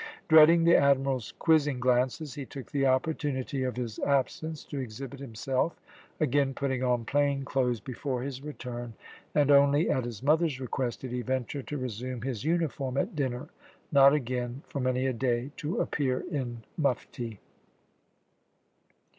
Dreading the Admiral's quizzing glances, he took the opportunity of his absence to exhibit himself, again putting on plain clothes before his return, and only at his mother's request did he venture to resume his uniform at dinner, not again for many a day to appear in mufti.